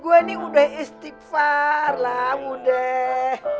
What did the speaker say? gua nih udah istighfar lah udah